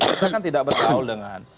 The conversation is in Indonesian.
kita kan tidak bertaul dengan